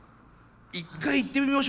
一回行ってみましょうか？